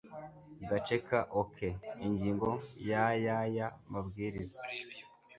gace ka o k ingingo ya y aya mabwiriza